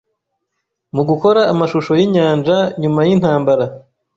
mugukora amashusho yinyanja Nyuma yintambara